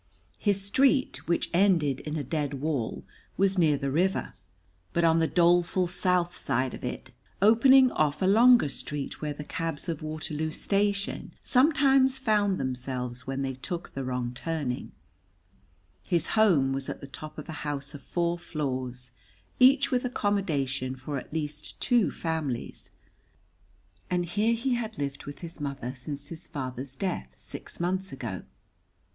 His street, which ended in a dead wall, was near the river, but on the doleful south side of it, opening off a longer street where the cabs of Waterloo station sometimes found themselves when they took the wrong turning; his home was at the top of a house of four floors, each with accommodation for at least two families, and here he had lived with his mother since his father's death six months ago.